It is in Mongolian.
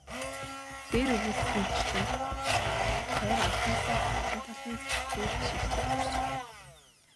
Дээр өгүүлсэнчлэн байр анхнаасаа гадна талын засалгүй ашиглалтад орсон.